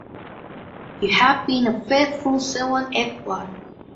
You have been a faithful servant, Edward.